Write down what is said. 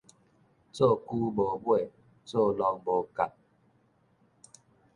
做龜無尾，做鹿無角